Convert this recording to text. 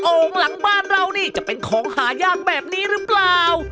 โอ่งหลังบ้านเรานี่จะเป็นของหายากแบบนี้หรือเปล่า